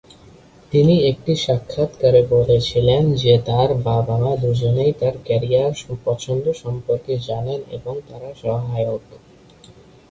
তিনি একটি সাক্ষাত্কারে বলেছিলেন যে তার বাবা-মা দুজনেই তার ক্যারিয়ার পছন্দ সম্পর্কে জানেন এবং তারা সহায়ক।